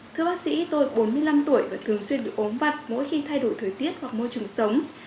thưa bác sĩ tôi bốn mươi năm tuổi và thường xuyên bị ốm vặt mỗi khi thay đổi thời tiết hoặc môi trường sống